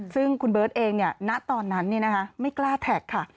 ซึ่งคุณเบิร์ตเองเนี่ยณตอนนั้นเนี่ยนะคะไม่กล้าแท็กค่ะ